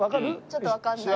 ちょっとわかんない。